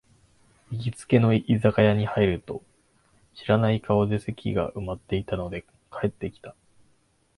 行きつけの居酒屋に入ると、知らない顔で席が埋まってたので帰ってきた